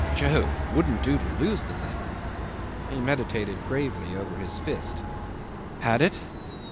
Jove! wouldn't do to lose the thing. He meditated gravely over his fist. Had it?